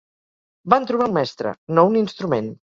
Van trobar un mestre, no un instrument.